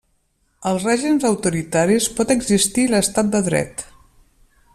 Als règims autoritaris pot existir l'estat de dret.